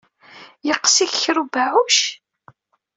Yeqqes-ik kra n ubeɛɛuc?